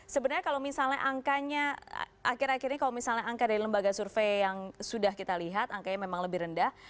sebenarnya kalau misalnya angkanya akhir akhir ini kalau misalnya angka dari lembaga survei yang sudah kita lihat angkanya memang lebih rendah